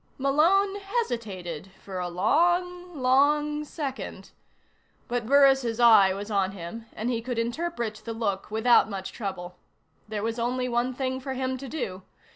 Malone hesitated for a long, long second. But Burris' eye was on him, and he could interpret the look without much trouble. There was only one thing for him to do.